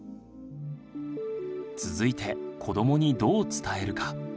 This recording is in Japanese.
続いて子どもにどう伝えるか？